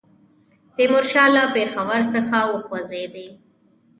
تیمورشاه له پېښور څخه وخوځېدی.